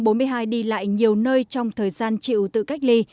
bệnh nhân một ba trăm bốn mươi hai đi lại nhiều nơi trong thời gian chịu tự cách ly